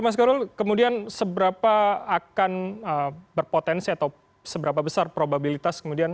mas korul kemudian seberapa akan berpotensi atau seberapa besar probabilitas kemudian